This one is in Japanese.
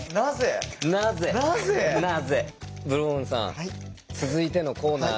ブルボンヌさん続いてのコーナー